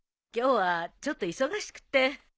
今日はちょっと忙しくて。